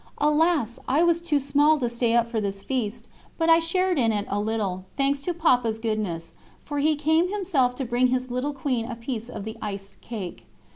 Alas! I was too small to stay up for this feast, but I shared in it a little, thanks to Papa's goodness, for he came himself to bring his little Queen a piece of the iced cake.